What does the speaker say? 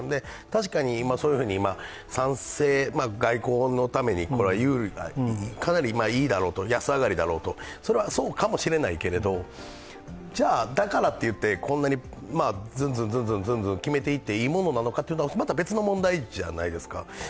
確かに今、賛成、外交のためにかなりいいだろうと、安上がりだろうと、それはそうかもしれないけれど、だからといって、こんなにずんずん決めていっていいのかというのはまた別の問題じゃないですか。